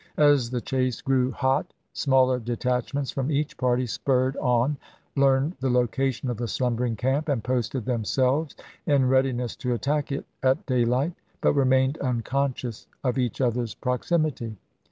As the chase grew hot, smaller detachments from each party spurred on, learned the location of the slumbering camp, and posted themselves in readiness to attack it at daylight, but remained unconscious of each other's proximity.